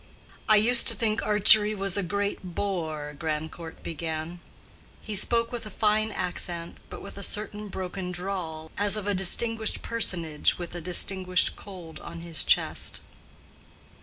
"I used to think archery was a great bore," Grandcourt began. He spoke with a fine accent, but with a certain broken drawl, as of a distinguished personage with a distinguished cold on his chest.